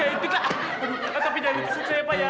itu itu iya itu iya tapi jangan ditusuk saya pak ya